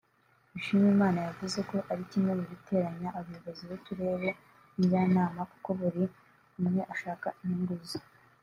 Dushimimana yavuze ko ari kimwe mu biteranya abayobozi b’Uturere na Njyanama kuko buri umwe ashaka inyungu ze